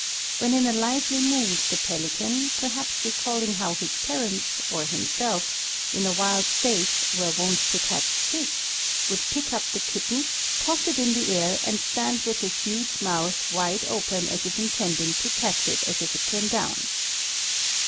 When in a lively mood the pelican, perhaps recalling how his parents, or himself, in a wild state, were wont to catch fish, would pick up the kitten, toss it in the air, and stand with his huge mouth wide open as if intending to catch it as it came down.